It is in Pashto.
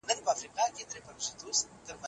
اقتصادي پرمختیا نویو بدلونونو ته اړتیا لري.